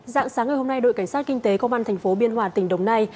dạng sáng ngày hôm nay đội cảnh sát kinh tế công an thành phố biên hòa tỉnh đồng nai